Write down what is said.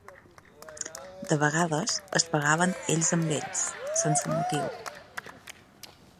De vegades es pegaven ells amb ells, sense motiu